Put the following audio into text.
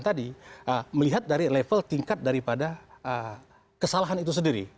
tadi melihat dari level tingkat daripada kesalahan itu sendiri